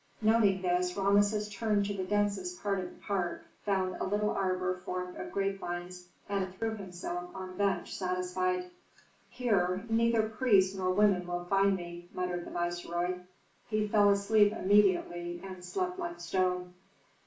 Noting this, Rameses turned to the densest part of the park, found a little arbor formed of grape vines, and threw himself on a bench satisfied. "Here neither priests nor women will find me," muttered the viceroy. He fell asleep immediately, and slept like a stone.